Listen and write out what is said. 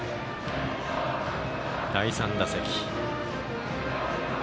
第３打席。